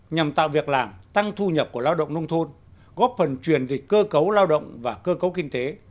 nhằm tạo việc làm tăng thu nhập của lao động nông thôn góp phần truyền dịch cơ cấu lao động và cơ cấu kinh tế